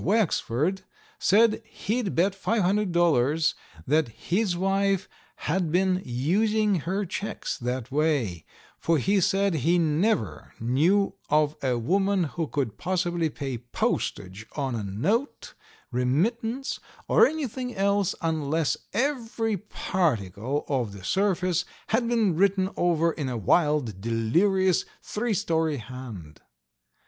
Wexford said he'd bet $500 that his wife had been using her checks that way, for he said he never knew of a woman who could possibly pay postage on a note, remittance or anything else unless every particle of the surface had been written over in a wild, delirious, three story hand.